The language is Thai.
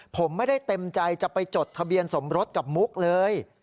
ผมไม่ได้เต็มใจจะไปจดทะเบียนสมรสกับมุกเลย